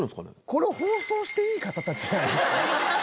これ放送していい方たちなんですか？